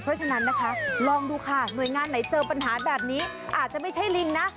เพราะฉะนั้นนะคะลองดูค่ะหน่วยงานไหนเจอปัญหาแบบนี้อาจจะไม่ใช่ลิงนะ